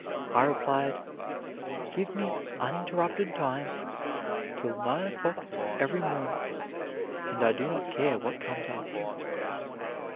I replied, 'Give me uninterrupted time till nine o'clock every morning, and I do not care what comes after.'"